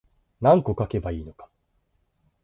何個書けばいいのか